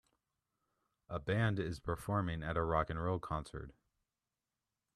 A band is performing at a rock and roll concert.